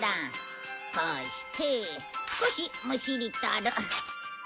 こうして少しむしり取る。